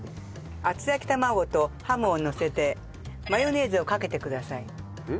厚焼き玉子とハムをのせてマヨネーズをかけてください。